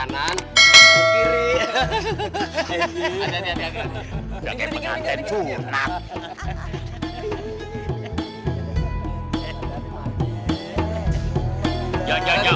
jangan kepenganan cu enak